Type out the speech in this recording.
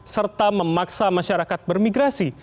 serta memaksa masyarakat bermigrasi